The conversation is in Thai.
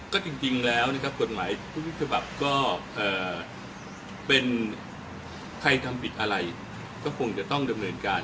ก็จริงแล้วนะครับกฎหมายทุกฉบับก็เป็นใครทำผิดอะไรก็คงจะต้องดำเนินการ